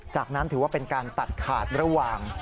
จากนั้นถือว่าเป็นการตัดขาดระหว่าง